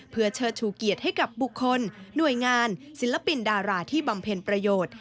เพื่อเชิดชูเกียรติให้กับบุคคลหน่วยงานศิลปินดาราที่บำเพ็ญประโยชน์